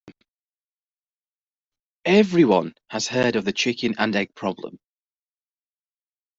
Everyone has heard of the chicken and egg problem.